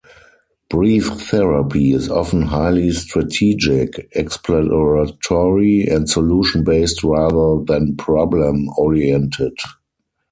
Brief therapy is often highly strategic, exploratory, and solution-based rather than problem-oriented.